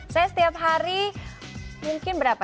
saya setiap hari mungkin berapa